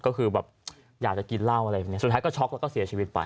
ก็คือแบบอยากจะกินเหล้าอะไรแบบนี้สุดท้ายก็ช็อกแล้วก็เสียชีวิตไป